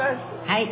はい。